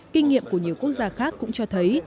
kinh nghiệm của nhiều quốc gia khác cũng cho thấy